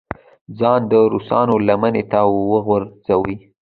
ځان د روسانو لمنې ته وغورځوي.